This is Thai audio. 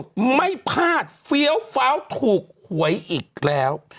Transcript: ไม่พลาดเฟี้ยวฟ้าวถูกหวยอีกแล้ว